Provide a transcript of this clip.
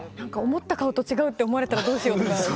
思った顔と違うと思われたらどうしよう。